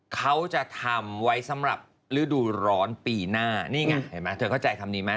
เขาจะทำไว้สำหรับฤดูร้อนปีหน้านี่ไงเห็นไหมเธอเข้าใจคำนี้ไหม